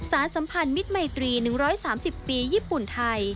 สัมพันธ์มิตรมัยตรี๑๓๐ปีญี่ปุ่นไทย